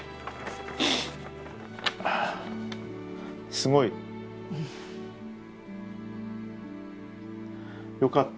すごい。よかった。